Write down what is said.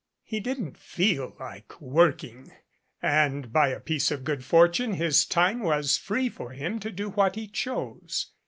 He didn't feel like working, and by a piece of good fortune his time was free for him to do what he chose.